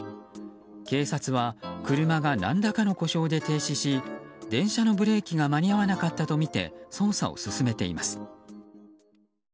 警察は車が何らかの故障で停止し電車のブレーキが間に合わなかったとみて捜査を進めています。